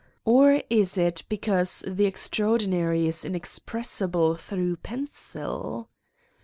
Or is it because the extraordinary is inexpres sible through pencil?